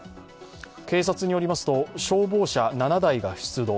警察によりますと消防車７台が出動。